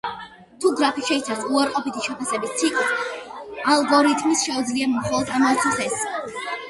თუ გრაფი შეიცავს უარყოფითი შეფასებების ციკლს, ალგორითმს შეიძლია მხოლოდ ამოიცნოს ეს.